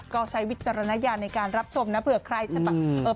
ก็ใช้วิจารณญาณในการรับชมนะเผื่อใครจะแบบเออ